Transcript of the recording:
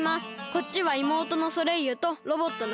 こっちはいもうとのソレイユとロボットのハグ。